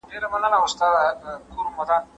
کيدای سي پښتو هویت پیاوړی کړي.